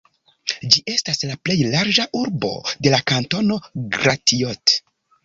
Ĝi estas la plej larĝa urbo de la kantono Gratiot.